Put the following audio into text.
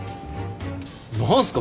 何すか？